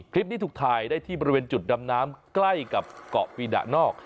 คลิปนี้ถูกถ่ายได้ที่บริเวณจุดดำน้ำใกล้กับเกาะปีดะนอก